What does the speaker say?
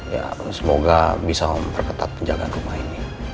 ya semoga bisa om perketat penjagaan rumah ini